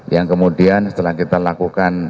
yang kemudian setelah kita lakukan